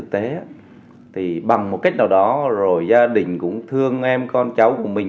thì bằng một cách nào đó gia đình cũng thương em con cháu của mình